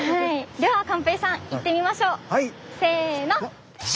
では寛平さん行ってみましょう！